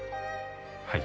はい。